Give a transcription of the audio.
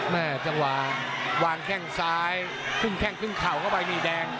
แม่จังหวาวางแข้งซ้ายขึ้นแข้งขึ้นเข่าเข้าไปนี่แดง